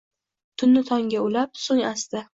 Tunni tongga ulab. So’ng, asta